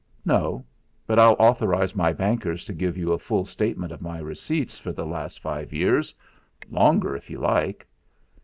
"No, but I'll authorise my bankers to give you a full statement of my receipts for the last five years longer, if you like."